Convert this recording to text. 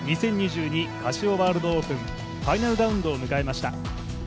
カシオワールドオープンファイナルラウンドを迎えました。